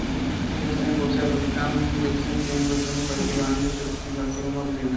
নির্বাচনী প্রচারকালে ট্রাম্প হুমকি দিয়েছেন, তিনি গুরুত্বপূর্ণ কয়েকটি বাণিজ্য চুক্তি বাতিল করে দেবেন।